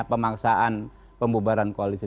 pemaksaan pembubaran koalisi